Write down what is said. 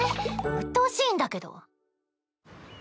うっとうしいんだけど。